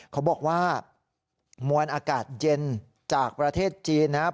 เขาบอกว่ามวลอากาศเย็นจากประเทศจีนนะครับ